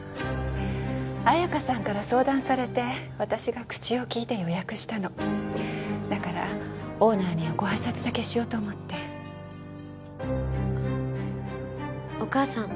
綾華さんから相談されて私が口をきいて予約したのだからオーナーにはご挨拶だけしようと思ってお義母さん